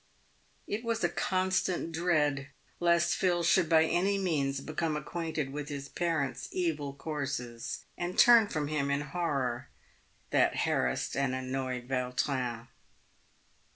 It was a constant dread lest Phil should by any means become acquainted with his parent's evil courses, and turn from him in horror, that harassed and annoyed Vautrin.